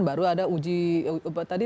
baru ada uji